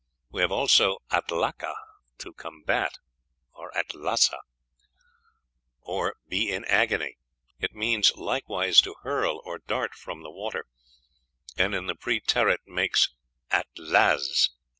We have also atlaça, to combat, or be in agony; it means likewise to hurl or dart from the water, and in the preterit makes Atlaz.